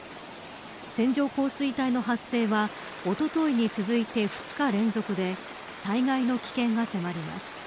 線状降水帯の発生はおとといに続いて２日連続で災害の危険が迫ります。